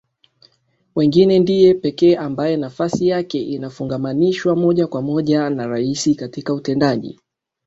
wengine ndiye pekee ambaye nafasi yake inafungamanishwa moja kwa moja na Rais katika utendaji